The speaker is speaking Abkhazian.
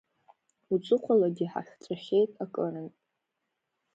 Уҵыхәалагьы ҳахҵәахьеит акырынтә.